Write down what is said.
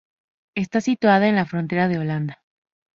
Está situada con la frontera de Holanda.